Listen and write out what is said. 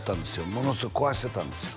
ものすごい壊してたんですよ